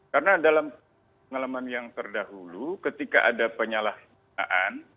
karena dalam pengalaman yang terdahulu ketika ada penyalahan